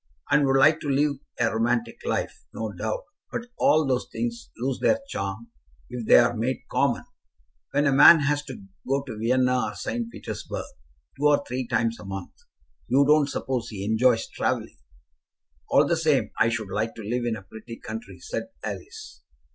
"And would like to live a romantic life, no doubt; but all those things lose their charm if they are made common. When a man has to go to Vienna or St. Petersburg two or three times a month, you don't suppose he enjoys travelling?" "All the same, I should like to live in a pretty country," said Alice.